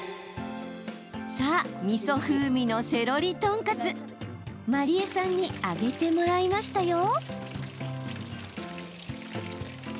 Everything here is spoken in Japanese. さあ、みそ風味のセロリトンカツ真里絵さんに揚げてもらいました。